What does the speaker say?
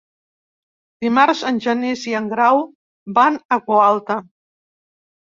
Dimarts en Genís i en Grau van a Gualta.